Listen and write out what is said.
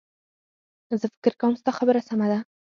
زه فکر کوم ستا خبره سمه ده